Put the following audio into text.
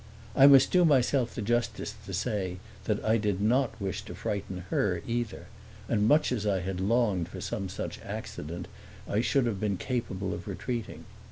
I must do myself the justice to say that I did not wish to frighten her either, and much as I had longed for some such accident I should have been capable of retreating.